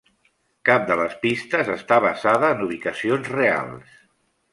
Cap de les pistes està basada en ubicacions reals.